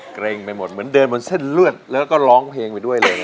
เกร็งไปหมดเหมือนเดินบนเส้นเลือดแล้วก็ร้องเพลงไปด้วยเลย